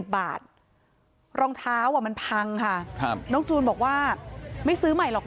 บาทรองเท้ามันพังค่ะน้องจูนบอกว่าไม่ซื้อใหม่หรอก